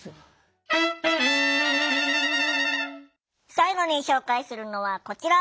最後に紹介するのはこちら！